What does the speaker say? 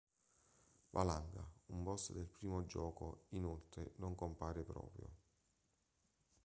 Valanga, un boss del primo gioco, inoltre, non compare proprio.